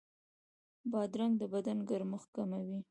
بادرنګ د بدن ګرمښت کموي.